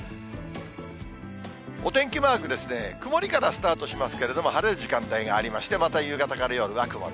お天気マークですね、曇りからスタートしますけれども、晴れる時間帯がありまして、また夕方から夜は曇り。